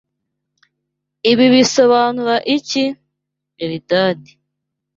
Ibi bisobanura iki? (Eldad)